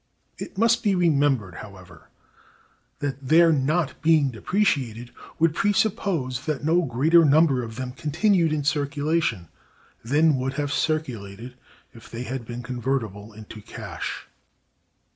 It must be remembered, however, that their not being depreciated would presuppose that no greater number of them continued in circulation than would have circulated if they had been convertible into cash.